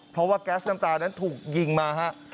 เพราะว่าแก๊สน้ำตานั้นถูกยิงมาฮะ